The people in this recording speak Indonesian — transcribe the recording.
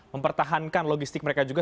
mempertahankan logistik mereka juga